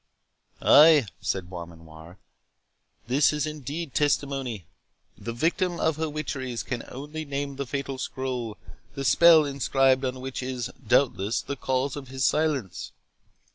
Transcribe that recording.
"Ay," said Beaumanoir, "this is indeed testimony! The victim of her witcheries can only name the fatal scroll, the spell inscribed on which is, doubtless, the cause of his silence."